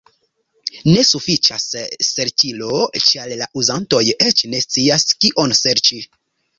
Ne sufiĉas serĉilo, ĉar la uzantoj eĉ ne scias kion serĉi.